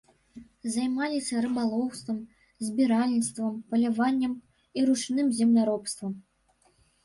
Займаліся рыбалоўствам, збіральніцтвам, паляваннем і ручным земляробствам.